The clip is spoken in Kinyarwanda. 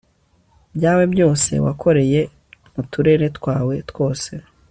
byawe byose wakoreye mu turere twawe twose